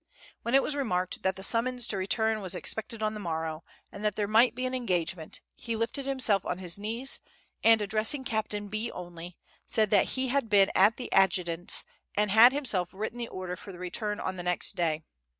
When it was remarked that the summons to return was expected on the morrow, and that there might be an engagement, he lifted himself on his knees, and, addressing Captain B. only, said that he had been at the adjutant's, and had himself written the order for the return on the next day.